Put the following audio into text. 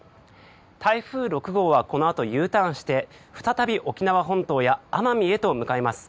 台風６号はこのあとＵターンして再び沖縄本島や奄美へと向かいます。